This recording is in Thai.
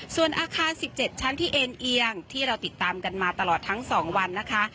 ส่วนอาคาร๑๗ชั้นที่เอ็นเอียงที่เราติดตามกันมาตลอดทั้ง๒วันนะคะ